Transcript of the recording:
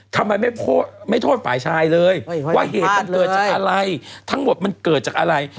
ทำไมไม่โทษฝ่ายชายเลยว่าเหตุมันเกิดจากอะไรทั้งหมดมันเกิดจากอะไร